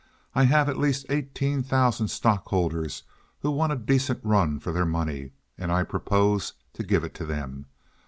I have at least eighteen thousand stockholders who want a decent run for their money, and I propose to give it to them.